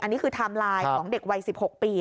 อันนี้คือไทม์ไลน์ของเด็กวัย๑๖ปี